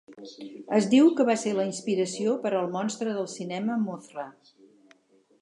Es diu que va ser la inspiració per al monstre del cinema Mothra.